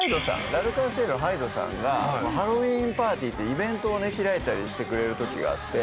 Ｌ’ＡｒｃｅｎＣｉｅｌのｈｙｄｅさんがハロウィーンパーティーってイベントを開いたりしてくれる時があって。